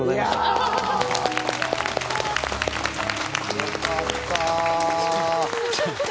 よかった！